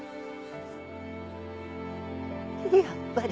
やっぱり。